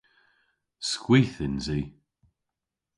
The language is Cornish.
Skwith yns i.